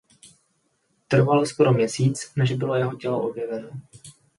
Trvalo skoro měsíc než bylo jeho tělo objeveno.